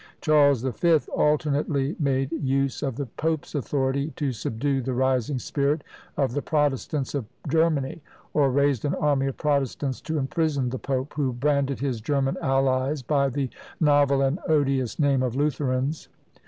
Charles the Fifth alternately made use of the Pope's authority to subdue the rising spirit of the Protestants of Germany, or raised an army of Protestants to imprison the Pope! who branded his German allies by the novel and odious name of Lutherans.